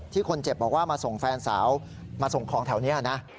คนเจ็บบอกว่ามาส่งแฟนสาวมาส่งของแถวนี้นะ